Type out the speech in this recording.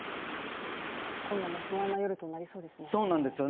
今夜も不安な夜となりそうですね。